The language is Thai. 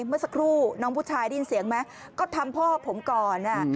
เมื่อสักครู่น้องผู้ชายได้ยินเสียงไหมก็ทำพ่อผมก่อน